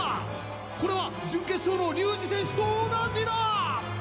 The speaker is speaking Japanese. これは準決勝の龍二選手と同じだ！